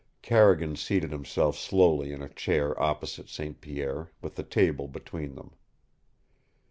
Carrigan seated himself slowly in a chair opposite St. Pierre, with the table between them.